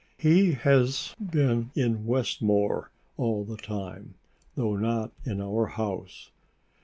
"He has been in Westmore all the time, though not in our house."